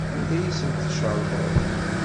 Anda ay asen-tcerḍeḍ?